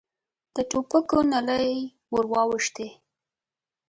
د ټوپکو نلۍ ور واوښتې.